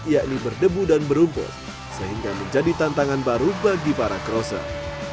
yakni berdebu dan berumput sehingga menjadi tantangan baru bagi para crossert